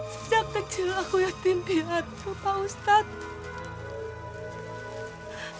sejak kecil aku yatim biat rupa ustadz